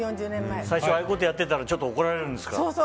最初ああいうことやってたらちょっと怒られるんですか。